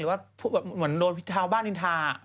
หรือว่าเหมือนโดนพี่เท้าบ้านอินทรา